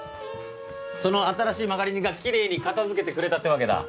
その新しい間借り人がキレイに片付けてくれたってわけだ。